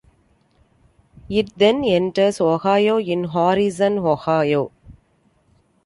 It then enters Ohio in Harrison, Ohio.